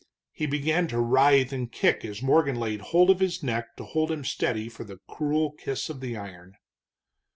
He began to writhe and kick as Morgan laid hold of his neck to hold him steady for the cruel kiss of the iron.